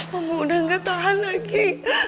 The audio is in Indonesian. kamu udah gak tahan lagi